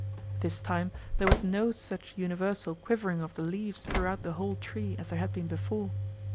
This time there was no such universal quivering of the leaves throughout the whole tree as there had been before.